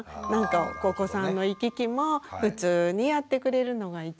お子さんの行き来も普通にやってくれるのが一番。